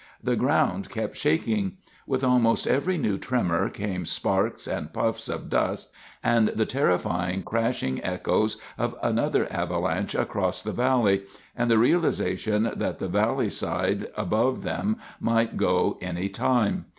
The ground kept shaking. With almost every new tremor came sparks and puffs of dust, and the terrifying, crashing echoes of another avalanche across the valley, and the realization that the valley side above them might go any time.